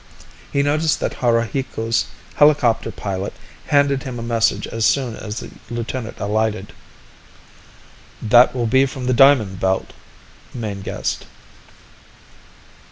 He noticed that Haruhiku's helicopter pilot handed him a message as soon as the lieutenant alighted. "That will be from the Diamond Belt," Mayne guessed.